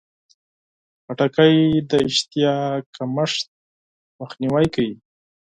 خټکی د اشتها کمښت مخنیوی کوي.